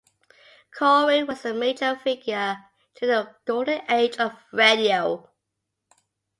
Corwin was a major figure during the Golden Age of Radio.